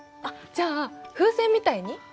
じゃあ風船みたいに？